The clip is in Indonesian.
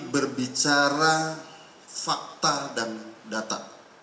berbicara fakta dan data